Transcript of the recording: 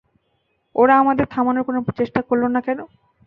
ওরা আমাদের থামানোর কোনো চেষ্টা করলো না কেন?